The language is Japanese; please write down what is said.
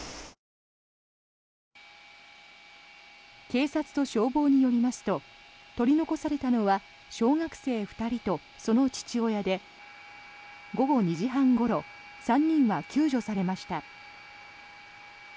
警察と消防によりますと取り残されたのは小学生２人とその父親で午後２時半ごろ３人は救助されました。